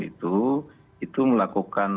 itu itu melakukan